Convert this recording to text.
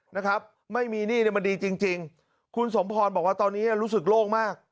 นะครับไม่มีหนี้เนี่ยมันดีจริงจริงคุณสมพรบอกว่าตอนนี้รู้สึกโล่งมาก